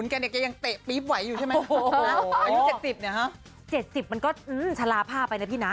อ่ะ๗๐อายุ๗๐มันก็ชะลาผ่าไปนะพี่นะ